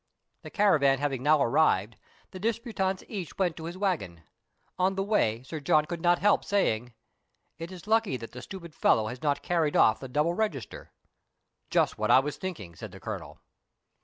The caravan having now arrived, the disputants each went to his waggon. On the way Sir John could not help saying,— " It is lucky that the stupid fellow has not carried off the double register." "Just what I was thinking," said the Colonel.